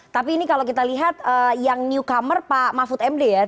tapi ini kalau kita lihat yang newcomer pak mahfud md ya